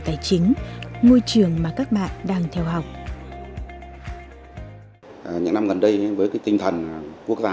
tài chính ngôi trường mà các bạn đang theo học những năm gần đây với cái tinh thần quốc gia